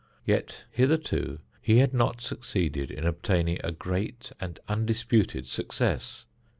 Yet hither to he had not succeeded in obtaining a great and undisputed success.